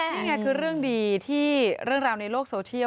นี่ไงคือเรื่องดีที่เรื่องราวในโลกโซเทียล